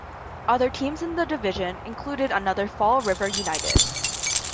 Other teams in the division included another Fall River United.